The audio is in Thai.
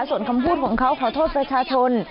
ส่วนคำพูดของเขาขอโทษประชาชน